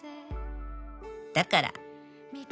「だから」